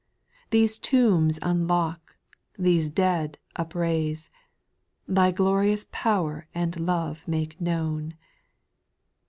These tombs unlock, these dead upraise, Thy glorious power and love make known.